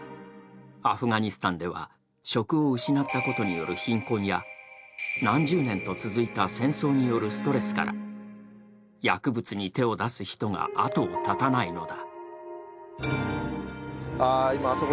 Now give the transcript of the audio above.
アフガニスタンでは職を失ったことによる貧困や何十年と続いた戦争によるストレスから薬物に手を出す人が後を絶たないのだ。